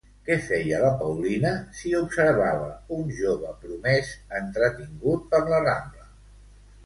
Què feia la Paulina si observava un jove promès entretingut per la Rambla?